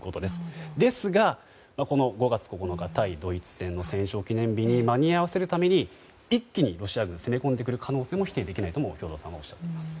ですが、５月９日の対ドイツ戦の戦勝記念日に間に合わせるために、一気にロシア軍攻め込んでくる可能性も否定できないとも兵頭さんはおっしゃっています。